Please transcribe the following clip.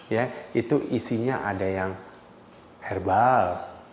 ya itu isinya ada yang herbal